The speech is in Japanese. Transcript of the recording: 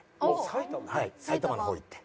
埼玉の方に行って。